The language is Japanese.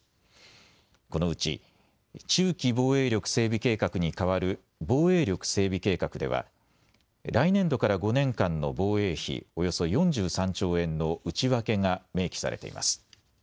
このうち中期防衛力整備計画に代わる防衛力整備計画では来年度から５年間の防衛費およそ４３兆円の内訳が明記されています。